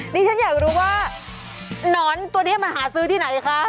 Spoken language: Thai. นี่ฉันอยากรู้ว่าหนอนตัวนี้มาหาซื้อที่ไหนคะ